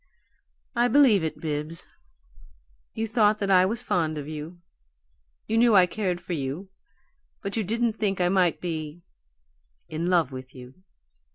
"I believe it, Bibbs. You thought that I was fond of you; you knew I cared for you but you didn't think I might be in love with you.